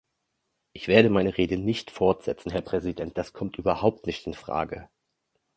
Ich werde meine Rede nicht fortsetzen, Herr Präsident, das kommt überhaupt nicht in Frage.